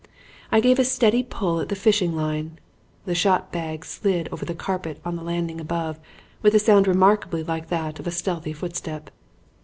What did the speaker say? "I gave a steady pull at the fishing line. The shot bag slid over the carpet on the landing above with a sound remarkably like that of a stealthy footstep.